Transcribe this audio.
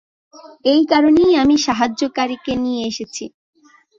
এই কারণেই আমি সাহায্যকারীকে নিয়ে এসেছি।